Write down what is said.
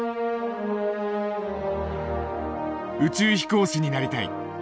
宇宙飛行士になりたい。